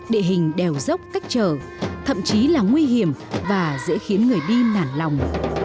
địa hình đèo dốc cách trở thậm chí là nguy hiểm và dễ khiến người đi nản lòng